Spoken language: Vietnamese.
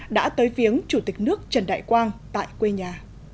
đã tới viếng chủ tịch nước trần đại quang tại quê nhà